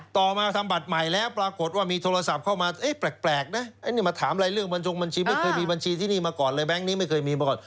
ต่อมาทำบัตรใหม่แล้วปรากฏว่ามีโทรศัพท์เข้ามาแปลกนะอันนี้มาถามอะไรเรื่องบัญชงบัญชีไม่เคยมีบัญชีที่นี่มาก่อนเลยแก๊งนี้ไม่เคยมีมาก่อน